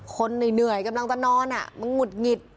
คนเหนื่อยกำลังจะนอนมันหงุดหงิด